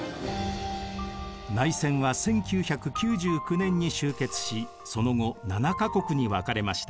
内戦は１９９９年に終結しその後７か国に分かれました。